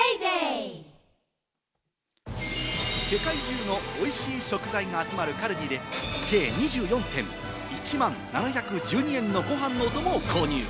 世界中の美味しい食材が集まるカルディで、計２４点、１万７１２円のご飯のお供を購入。